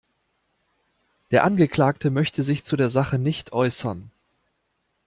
Der Angeklagte möchte sich zu der Sache nicht äußern.